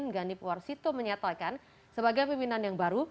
ganip warsito menyatakan sebagai pimpinan yang baru